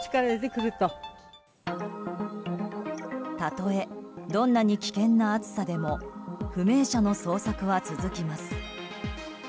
たとえどんなに危険な暑さでも不明者の捜索は続きます。